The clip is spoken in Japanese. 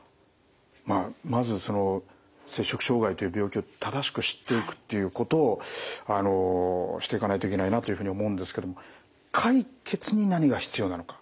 まずその摂食障害という病気を正しく知っていくっていうことをしていかないといけないなというふうに思うんですけども解決に何が必要なのか。